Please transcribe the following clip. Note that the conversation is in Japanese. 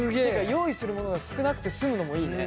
用意するものが少なくて済むのもいいね。